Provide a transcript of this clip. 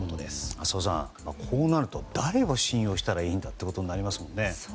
浅尾さん、こうなると誰を信用したらいいんだということになりますね。